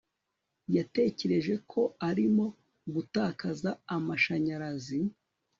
yatekereje ko arimo gutakaza amashanyarazi